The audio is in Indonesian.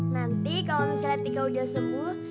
nanti kalau misalnya tika udah sembuh